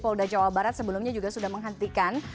polda jawa barat sebelumnya juga sudah menghentikan